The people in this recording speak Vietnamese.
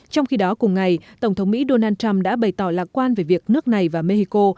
trong khi đó cùng ngày tổng thống mỹ donald trump đã bày tỏ lạc quan về việc nước này và mexico